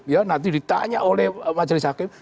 ya nanti ditanya oleh majelis hakim